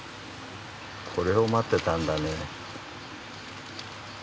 これを待ってたんだね。